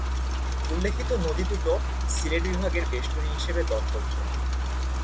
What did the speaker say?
উল্লেখিত নদী দুটো সিলেট বিভাগের বেষ্টনী হিসেবে দর্তব্য।